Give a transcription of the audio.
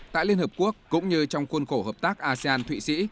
tại liên hợp quốc cũng như trong khuôn khổ hợp tác asean thụy sĩ